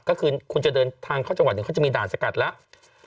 ก็คือคุณจะเดินทางเข้าจังหวัดเขาจะมีด่านสกัดแล้ว